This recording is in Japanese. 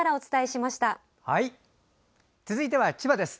続いては千葉です。